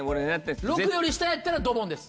６より下やったらドボンです